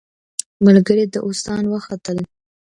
ملګري داووسان وختل.